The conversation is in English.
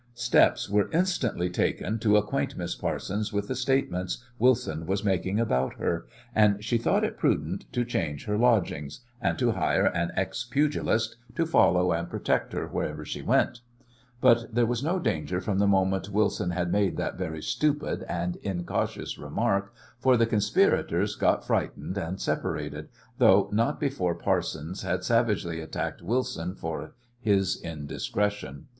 Steps were instantly taken to acquaint Miss Parsons with the statements Wilson was making about her, and she thought it prudent to change her lodgings, and to hire an ex pugilist to follow and protect her wherever she went. But there was no danger from the moment Wilson had made that very stupid and incautious remark for the conspirators got frightened and separated, though not before Parsons had savagely attacked Wilson for his indiscretion.